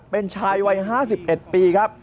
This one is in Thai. เป็นชายวัย๕๑ปีครับ